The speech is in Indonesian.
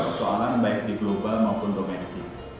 persoalan baik di global maupun domestik